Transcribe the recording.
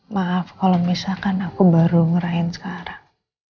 maaf kalau misalkan aku baru ngerahin sekarang